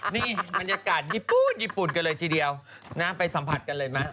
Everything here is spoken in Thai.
นี่บรรยากาศญี่ปุ่นกันเลยทีเดียวไปสัมผัสกันเลยนะ